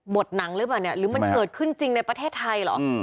หนังหรือเปล่าเนี่ยหรือมันเกิดขึ้นจริงในประเทศไทยเหรอ